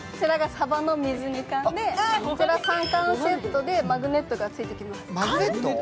サバの水煮缶で、３缶セットでマグネットがついてきます。